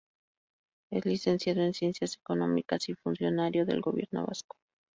Es licenciado en Ciencias Económicas y funcionario del Gobierno Vasco.